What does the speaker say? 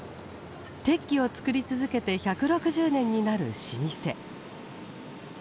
鉄器を作り続けて１６０年になる老舗。